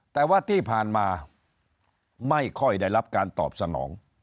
แต่ว่าที่ผ่านมาไม่ค่อยได้รับการตอบสนอง